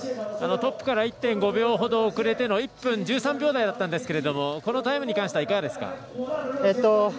トップから１．５秒ほど遅れての１分１３秒台だったんですがタイムに関してはいかがですか。